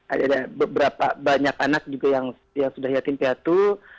ada beberapa banyak anak juga yang sudah yatim piatu